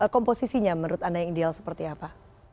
komposisinya menurut anda yang ideal seperti apa